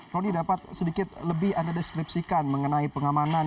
roni dapat sedikit lebih anda deskripsikan mengenai pengamanan